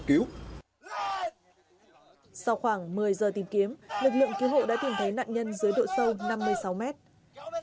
cứu khoảng một mươi giờ tìm kiếm lực lượng cứu hộ đã tìm thấy nạn nhân dưới độ sâu năm mươi sáu mét